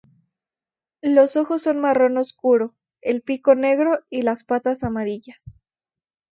Los ojos son marrón oscuro, el pico negro y las patas amarillas.